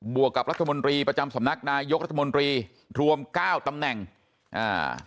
วกกับรัฐมนตรีประจำสำนักนายกรัฐมนตรีรวมเก้าตำแหน่งอ่า